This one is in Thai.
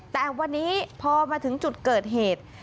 แต่วันนี้พอมาถึงจุดเกิดเหตุ